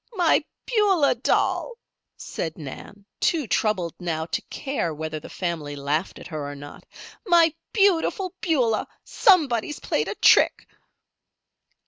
"My Beulah doll," said Nan, too troubled now to care whether the family laughed at her or not. "My Beautiful Beulah. Somebody's played a trick."